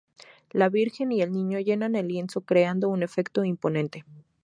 La Virgen y el Niño llenan el lienzo creando un efecto imponente.